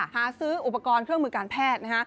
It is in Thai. หาซื้ออุปกรณ์เครื่องมือการแพทย์